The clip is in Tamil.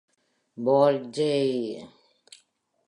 பால் ஜே.